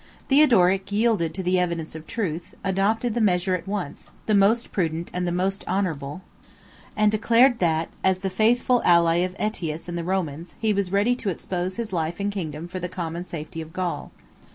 Theodoric yielded to the evidence of truth; adopted the measure at once the most prudent and the most honorable; and declared, that, as the faithful ally of Ætius and the Romans, he was ready to expose his life and kingdom for the common safety of Gaul.